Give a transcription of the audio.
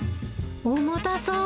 重たそう。